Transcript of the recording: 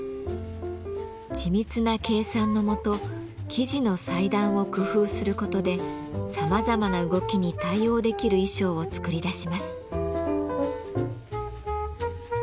緻密な計算のもと生地の裁断を工夫する事でさまざまな動きに対応できる衣装を作り出します。